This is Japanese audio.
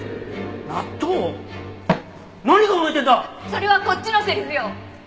それはこっちのセリフよ。